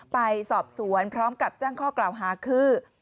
ไปสอบสวนพร้อมกับแจ้งข้อกล่าวหาคือ